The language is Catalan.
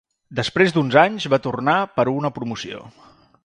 Després d'uns anys, va tornar per a una promoció.